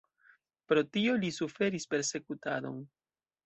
Pro tio li suferis persekutadon.